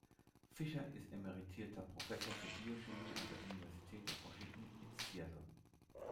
Fischer ist emeritierter Professor für Biochemie an der University of Washington in Seattle.